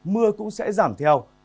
mưa cũng sẽ giảm theo